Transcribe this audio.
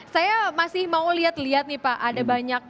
saya masih mau lihat lihat nih pak ada banyak